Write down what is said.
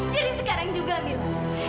jadi sekarang juga mila